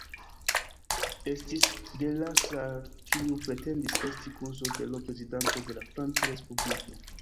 Estis Delasar, kiu pretendis esti kuzo de l' Prezidanto de la Franca Respubliko.